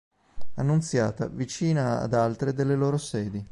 Annunziata, vicina ad altre delle loro sedi.